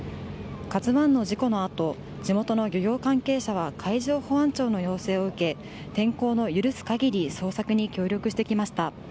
「ＫＡＺＵ１」の事故の後地元の漁業関係者は海上保安庁の要請を受け天候の許す限り捜索に協力してきました。